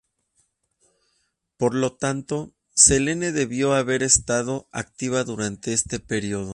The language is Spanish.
Por lo tanto, Selene debió haber estado activa durante este periodo.